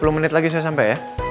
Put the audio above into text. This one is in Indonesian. dua puluh menit lagi saya sampai ya